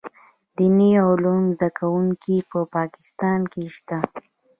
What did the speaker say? دیني علومو زده کوونکي په پاکستان کې شته.